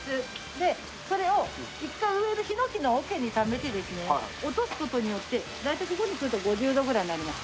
でそれを一回上のヒノキのおけにためてですね落とす事によって大体ここに来ると５０度ぐらいになります。